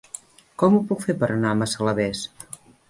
Com ho puc fer per anar a Massalavés?